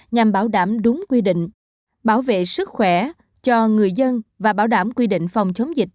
nhằm bảo đảm đúng quy định bảo vệ sức khỏe cho người dân và bảo đảm quy định phòng chống dịch